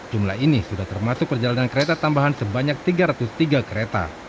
jumlah ini sudah termasuk perjalanan kereta tambahan sebanyak tiga ratus tiga kereta